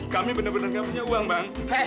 kami benar benar nggak punya uang bang